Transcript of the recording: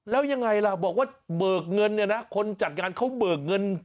แล้วยังไงล่ะบอกว่าเบิกเงินเนี่ยนะคนจัดงานเขาเบิกเงิน